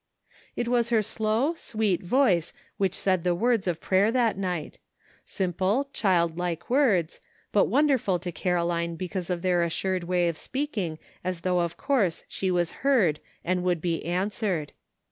It was her slow, sweet voice which said the words of prayer that night — simple, child like words, but wonderful to Caroline because of their assured way of speaking as though of course she was heard and would be answered.